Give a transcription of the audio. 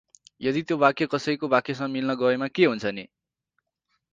यदि त्यो वाक्य कसैको वाक्यसँग मिल्न गएमा के हुन्छ नि?